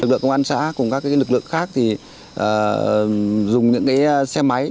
lực lượng công an xã cùng các lực lượng khác dùng những xe máy